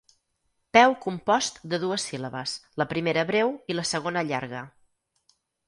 Peu compost de dues síl·labes, la primera breu i la segona llarga.